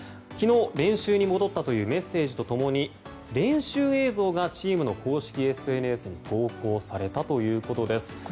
昨日、練習に戻ったというメッセージとともに練習映像がチームの公式ＳＮＳに投稿されたということです。